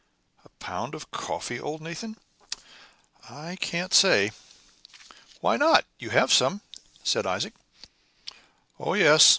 "A pound of coffee, old Nathan? I can't say." "Why not? You have some?" said Isaac. "Oh yes!